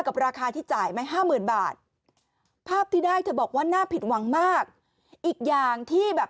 กับราคาที่จ่ายไหม๕๐๐บาทที่ได้เธอบอกว่าน่าผิดหวังมากอีกอย่างที่ค่ะ